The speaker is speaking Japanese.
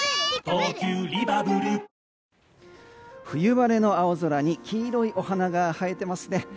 冬晴れの青空に黄色いお花が映えていますね。